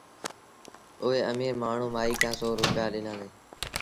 اُئي اميٚر مآڻهوٚٚݩ مآئيٚ کي سو روپيآ ڏنآݩدي